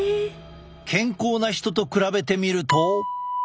健康な人と比べてみると。